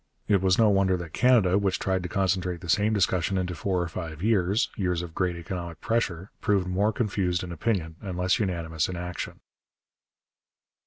It was no wonder that Canada, which tried to concentrate the same discussion into four or five years, years of great economic pressure, proved more confused in opinion and less unanimous in action.